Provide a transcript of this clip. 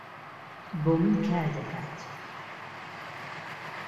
بۆ من کار دەکات.